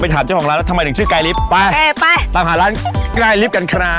ไปตามหาร้านไกรลิฟกั้นขณะ